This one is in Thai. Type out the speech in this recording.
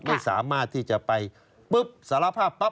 ไม่สามารถที่จะไปปุ๊บสารภาพปั๊บ